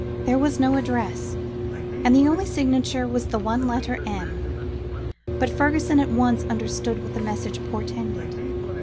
There was no address, and the only signature was the one letter "M," but Fergusson at once understood what the message portended.